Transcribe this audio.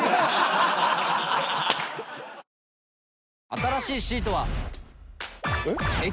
新しいシートは。えっ？